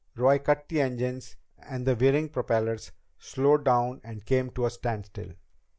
Roy cut the engines, and the whirring propellers slowed down and came to a standstill.